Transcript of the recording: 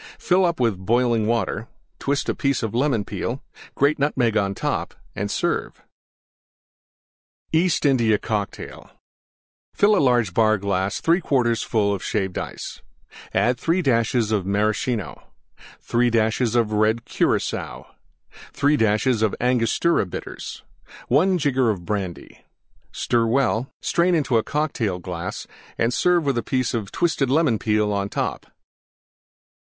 Fill up with boiling Water; twist a piece of Lemon Peel and grate Nutmeg on top and serve. EAST INDIA COCKTAIL Fill large Bar glass 3/4 full Shaved Ice. 3 dashes Maraschino. 3 dashes Red Curacoa. 3 dashes Angostura Bitters. 1 jigger Brandy. Stir well; strain into Cocktail glass and serve with a piece of twisted Lemon Peel on top.